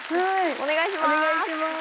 お願いします。